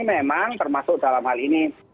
memang termasuk dalam hal ini